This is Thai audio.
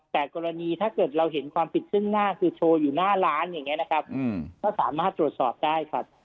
แต่กรณีถ้าเกิดเราเห็นความผิดซึ่งหน้าคือโชว์อยู่หน้าร้านอย่างนี้นะครับก็สามารถตรวจสอบได้ครับ